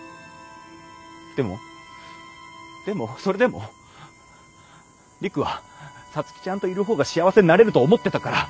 でもでもそれでも陸は皐月ちゃんといる方が幸せになれると思ってたから。